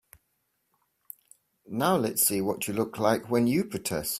Now let's see what you look like when you protest.